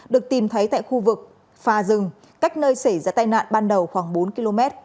được tìm thấy tại khu vực phà rừng cách nơi xảy ra tai nạn ban đầu khoảng bốn km